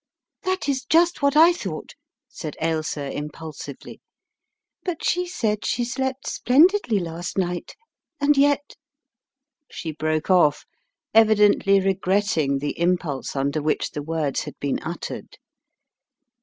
"That is just what I thought," said Ailsa, impul sively, "but she said she slept splendidly last night, and yet " she broke off, evidently regretting the impulse under which the words had been uttered.